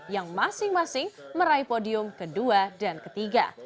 yang masing masing meraih podium kedua dan ketiga